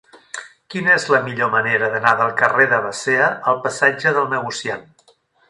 Quina és la millor manera d'anar del carrer de Basea al passatge del Negociant?